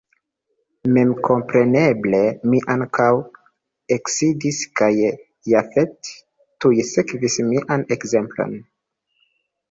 Memkompreneble mi ankaŭ eksidis kaj Jafet tuj sekvis mian ekzemplon.